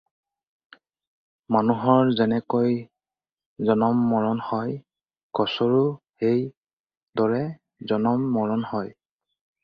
মানুহৰ যেনেকৈ জনম মৰণ হয়, গছৰো সেই দৰে জনম মৰণ হয়।